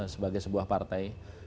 sebagai sebuah partai